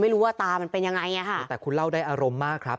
ไม่รู้ว่าตามันเป็นยังไงอ่ะค่ะแต่คุณเล่าได้อารมณ์มากครับ